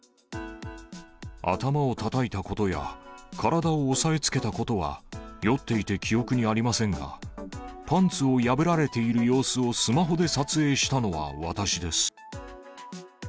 頭をたたいたことや、体を押さえつけたことは酔っていて記憶にありませんが、パンツを破られている様子をスマホで撮影したのは私です。